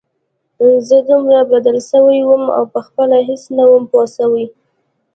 زه دومره بدل سوى وم او پخپله هېڅ نه وم پوه سوى.